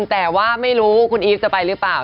แต่ว่าไม่รู้คุณอีฟจะไปหรือเปล่า